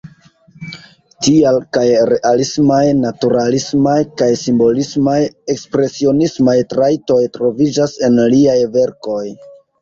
Tial kaj realismaj-naturalismaj kaj simbolismaj-ekspresionismaj trajtoj troviĝas en liaj verkoj.